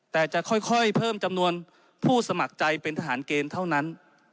แต่จะค่อยเพิ่มจำนวนผู้สมัครใจเป็นทหารเกณฑ์เท่านั้น